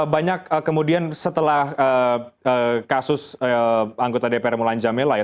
banyak kemudian setelah kasus anggota dpr mulan jamela ya